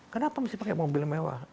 kenapa mesti pakai mobil mewah